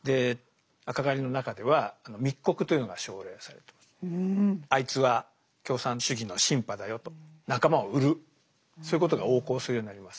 赤狩りの中では「あいつは共産主義のシンパだよ」と仲間を売るそういうことが横行するようになります。